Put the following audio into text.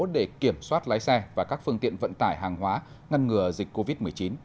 để kiểm soát lái xe và các phương tiện vận tải hàng hóa ngăn ngừa dịch covid một mươi chín